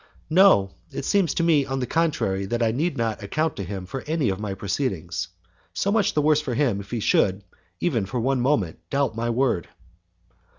"No, it seems to me, on the contrary, that I need not account to him for any of my proceedings. So much the worse for him if he should, even for one moment, doubt my word."